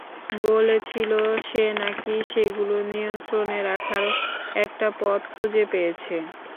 বলেছিল, সে নাকি সেগুলো নিয়ন্ত্রণে রাখার একটা পথ খুঁজে পেয়েছে।